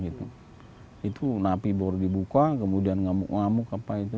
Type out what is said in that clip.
itu napi baru dibuka kemudian ngamuk ngamuk